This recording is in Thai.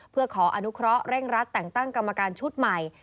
เพื่อขออนุเคราะห์เร่งรัดแต่งตั้งกรรมการชุดใหม่